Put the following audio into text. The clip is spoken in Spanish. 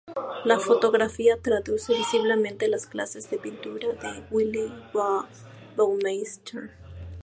La fotografía traduce visiblemente las clases de pintura de Willi Baumeister.